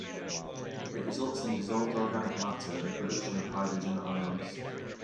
It results in dissolved organic matter and the production of hydrogen ions.